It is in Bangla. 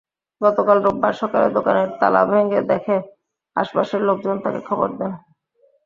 গতকাল রোববার সকালে দোকানের তালা ভাঙা দেখে আশপাশের লোকজন তাঁকে খবর দেন।